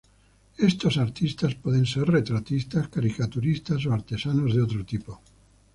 Estos artistas pueden ser retratistas, caricaturistas o artesanos de otro tipo.